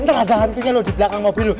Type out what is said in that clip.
ntar ada hantunya lu di belakang mobil lu